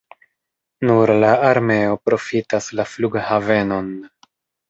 Nur la armeo profitas la flughavenon.